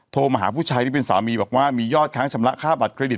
โทรมาหาผู้ชายที่เป็นสามีบอกว่ามียอดค้างชำระค่าบัตรเครดิต